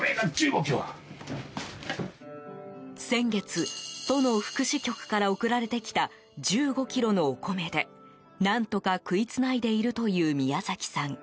先月、都の福祉局から送られてきた１５ｋｇのお米で何とか食いつないでいるという宮崎さん。